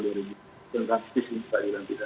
dan praktis ini juga dilaksanakan